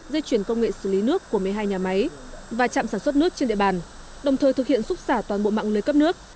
dây chuyển công nghệ xử lý nước của một mươi hai nhà máy và chạm sản xuất nước trên địa bàn đồng thời thực hiện xúc xả toàn bộ mạng lưới cấp nước